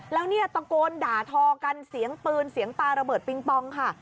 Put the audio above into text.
แล้วเนี่ยตะโกนด่าทอกันเสียงปืนเสียงปลาระเบิดปิงปองค่ะ